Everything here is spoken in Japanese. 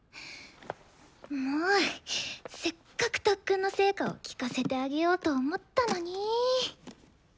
もうせっかく特訓の成果を聴かせてあげようと思ったのにぃ。